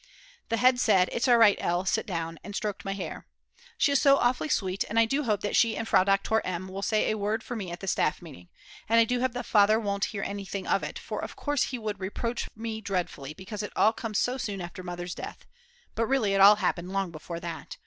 The head said: "It's all right L., sit down," and stroked my hair. She is so awfully sweet, and I do hope that she and Frau Doktor M. will say a word for me at the Staff Meeting. And I do hope that Father won't hear anything of it, for of course he would reproach me dreadfully because it all comes so soon after Mother's death. But really it all happened long before that.